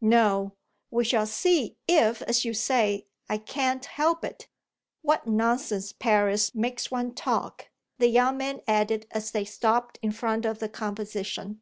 "No; we shall see if, as you say, I can't help it. What nonsense Paris makes one talk!" the young man added as they stopped in front of the composition.